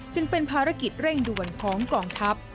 จึงเป็นภารกิจเร่งด่วนของกองทัพ